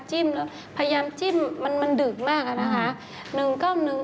จิ้มพยายามจิ้มมันดึกมากนะครับ